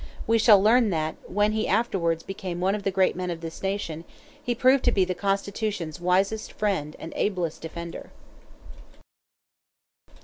We shall learn that, when he afterwards became one of the great men of this nation, he proved to be the Constitution's wisest friend and ablest defender.